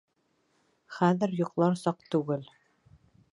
— Хәҙер йоҡлар саҡ түгел.